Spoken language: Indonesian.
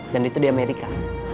dan itu di amerika